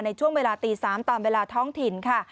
ในช่วงเวลาตี๓ตามเวลาท้องถิ่นค่ะ